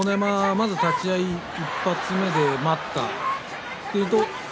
まず立ち合い１発目で待った、でしたね。